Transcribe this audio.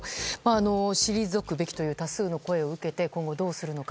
退くべきという多数の声を受けて今後どうするのか。